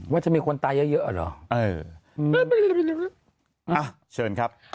ว่าจะมีคนตายเยอะหรอเออ